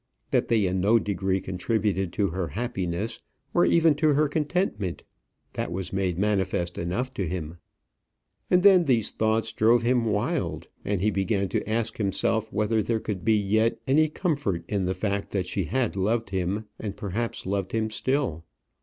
That they in no degree contributed to her happiness, or even to her contentment, that was made manifest enough to him. And then these thoughts drove him wild, and he began to ask himself whether there could be yet any comfort in the fact that she had loved him, and perhaps loved him still.